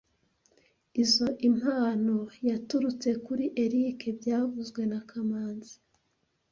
Izoi mpano yaturutse kuri Eric byavuzwe na kamanzi